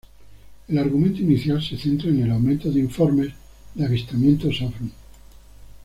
El argumento inicial se centra en el aumento de informes de avistamientos ovni.